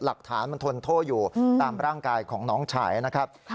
หลักฐานมันทนโทษอยู่ตามร่างกายของน้องชายนะครับ